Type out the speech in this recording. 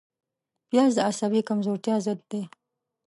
پیاز د عصبي کمزورتیا ضد دی